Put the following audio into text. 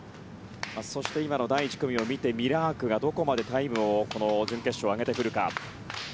そして、第１組を見てミラークがどこまでタイムを準決勝上げてくるか。